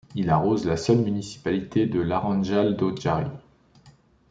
Il arrose la seule municipalité de Laranjal do Jari.